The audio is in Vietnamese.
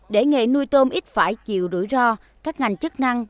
để nghề nuôi tôm ít phải chịu rủi ro các ngành chức năng